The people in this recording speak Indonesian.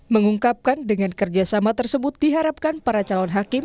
mengungkapkan dengan kerjasama tersebut diharapkan para calon hakim